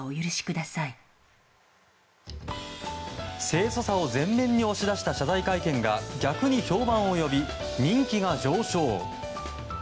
清楚さを前面に押し出した謝罪会見が逆に評判を呼び人気が上昇。